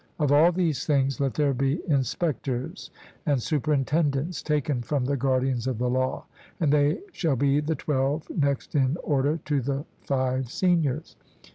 Of all these things let there be inspectors and superintendents, taken from the guardians of the law; and they shall be the twelve next in order to the five seniors.